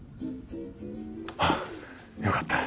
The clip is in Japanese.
あよかった。